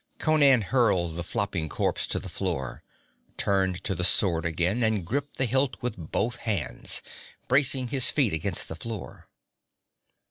Conan hurled the flopping corpse to the floor, turned to the sword again and gripped the hilt with both hands, bracing his feet against the floor.